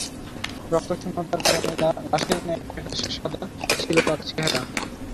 রক্তশূন্যতার কারণে লাশের ন্যায় ফ্যাকাশে সাদা ছিল তার চেহারা।